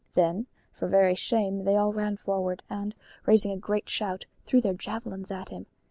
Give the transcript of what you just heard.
Then, for very shame, they all ran forward, and raising a great shout, threw their javelins at him.